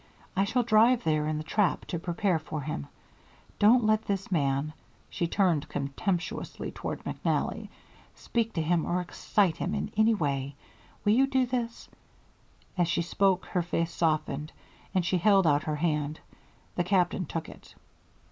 I shall drive there in the trap to prepare for him. Don't let this man" she turned contemptuously toward McNally "speak to him or excite him in any way. Will you do this?" As she spoke her face softened, and she held out her hand. The Captain took it.